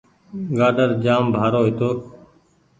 گآڊر جآم بآرو هيتو